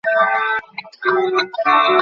আর আমাদের উপর মহল থেকে হুকুম করা হয়েছে এমনটা করতে?